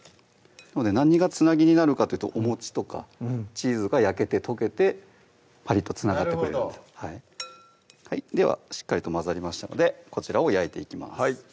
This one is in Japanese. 何がつなぎになるかっていうとおもちとかチーズが焼けて溶けてカリッとつながるっていうなるほどではしっかりと混ざりましたのでこちらを焼いていきます